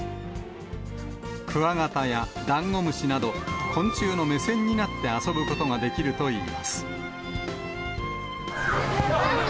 クワガタやダンゴムシなど、昆虫の目線になって遊ぶことができるといいます。